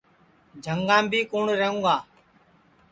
جھُنٚگام بھی کُوٹؔ رہوگا